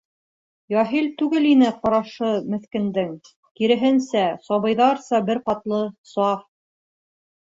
Яһил түгел ине ҡарашы меҫкендең, киреһенсә, сабыйҙарса бер ҡатлы саф.